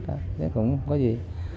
thế cũng có gì